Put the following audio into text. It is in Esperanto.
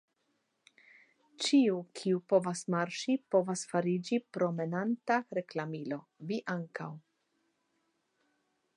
Ĉiu, kiu povas marŝi, povas fariĝi promenanta reklamilo, vi ankaŭ.